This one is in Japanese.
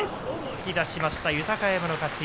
突き出しました、豊山の勝ち。